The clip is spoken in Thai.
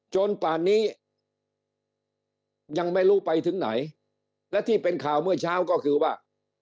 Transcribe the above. ป่านนี้ยังไม่รู้ไปถึงไหนและที่เป็นข่าวเมื่อเช้าก็คือว่า